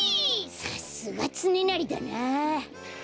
さっすがつねなりだなあ。